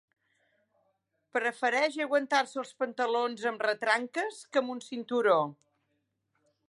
Prefereix aguantar-se els pantalons amb retranques que amb un cinturó